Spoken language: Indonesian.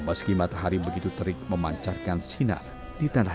meski matahari begitu terik memancarkan sinar di tanah air